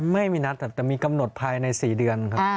ไม่มีนัดแต่มีกำหนดภายใน๔เดือนครับ